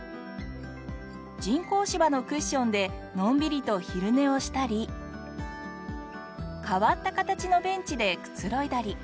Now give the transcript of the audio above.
人工芝のクッションでのんびりと昼寝をしたり変わった形のベンチでくつろいだり。